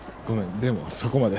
でもそこまで。